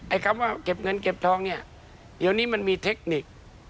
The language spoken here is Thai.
คำว่าเก็บเงินเก็บทองเนี่ยเดี๋ยวนี้มันมีเทคนิค